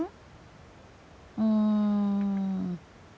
うん。